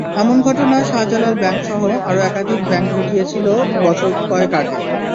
এমন ঘটনা শাহজালাল ব্যাংকসহ আরও একাধিক ব্যাংক ঘটিয়েছিল বছর কয়েক আগে।